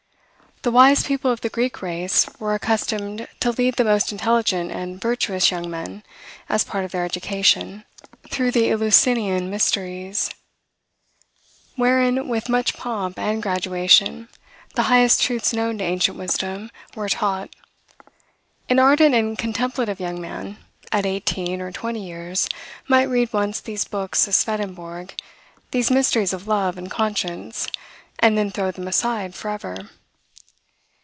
The wise people of the Greek race were accustomed to lead the most intelligent and virtuous young men, as part of their education, through the Eleusinian mysteries, wherein, with much pomp and graduation, the highest truths known to ancient wisdom were taught. An ardent and contemplative young man, at eighteen or twenty years, might read once these books of Swedenborg, these mysteries of love and conscience, and then throw them aside forever.